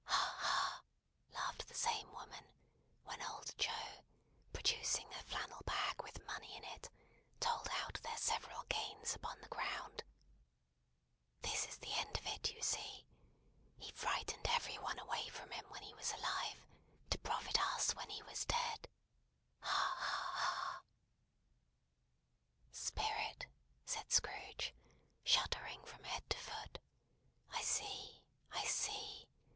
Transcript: "Ha, ha!" laughed the same woman, when old Joe, producing a flannel bag with money in it, told out their several gains upon the ground. "This is the end of it, you see! He frightened every one away from him when he was alive, to profit us when he was dead! Ha, ha, ha!" "Spirit!" said Scrooge, shuddering from head to foot. "I see, I see.